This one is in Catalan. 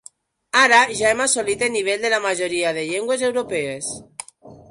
Ara ja hem assolit el nivell de la majoria de llengües europees.